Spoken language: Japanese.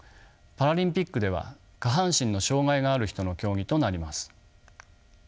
パラリンピックでは下半身の障がいがある人の競技となります。